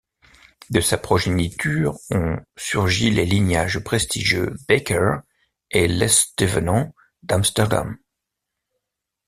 De sa progéniture ont surgi les lignages prestigieux Backer et Lestevenon d'Amsterdam.